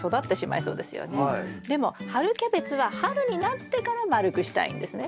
でも春キャベツは春になってから丸くしたいんですね